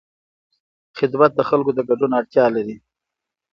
خدمت د خلکو د ګډون اړتیا لري.